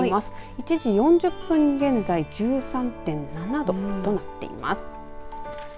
１時４０分現在１３．７度となっています。